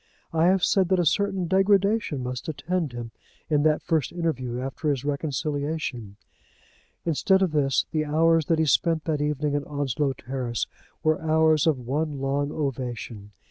I have said that a certain degradation must attend him in that first interview after his reconciliation. Instead of this the hours that he spent that evening in Onslow Terrace were hours of one long ovation.